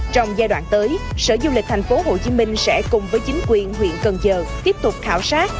trong giai đoạn tới sở du lịch thành phố hồ chí minh sẽ cùng với chính quyền huyện cần giờ tiếp tục khảo sát